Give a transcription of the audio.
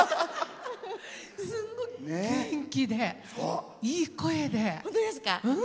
すごい元気で、いい声で。